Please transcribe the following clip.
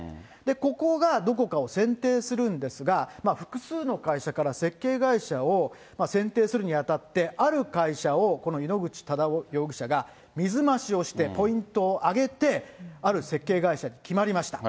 ここがどこかを選定するんですが、複数の会社から設計会社を選定するにあたって、ある会社を、この井ノ口忠男容疑者が水増しをしてポイントを上げて、ある設計会社に決まりました。